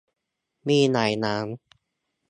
มีหลายร้าน